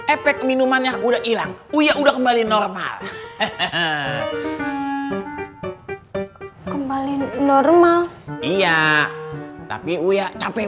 efek minuman yang udah hilang udah kembali normal hehehe kembali normal iya tapi uya capek